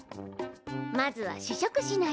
まずは試食しないと。